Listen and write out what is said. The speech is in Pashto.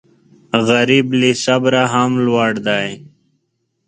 غریب له صبره هم لوړ دی